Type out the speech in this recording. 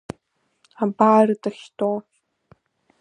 Абар дахьтәоу!